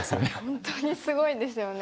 本当にすごいですよね。